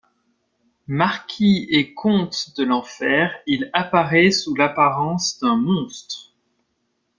Marquis et comte de l'enfer, il apparait sous l'apparence d'un monstre.